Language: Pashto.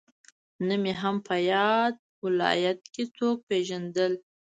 نه مې هم په ياد ولايت کې څوک پېژندل.